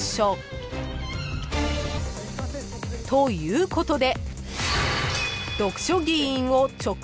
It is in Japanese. ということで］